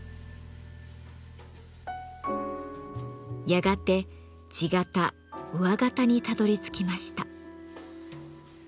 やがて「地形」「上形」にたどり着きました。